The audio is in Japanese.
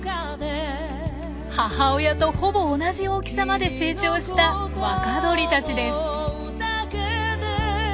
母親とほぼ同じ大きさまで成長した若鳥たちです。